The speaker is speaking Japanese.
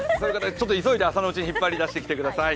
ちょっと急いで朝のうちに引っ張り出してきてください。